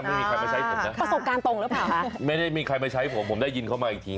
ไม่มีใครมาใช้ผมนะประสบการณ์ตรงหรือเปล่าคะไม่ได้มีใครมาใช้ผมผมได้ยินเขามาอีกที